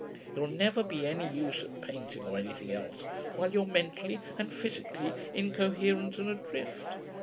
You'll never be any use at painting or anything else while you're mentally and physically incoherent and adrift.